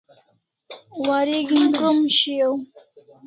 Wareg'in krom shiau